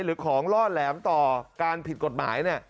หรือของล่อแหลมต่อการผิดกฎหมาย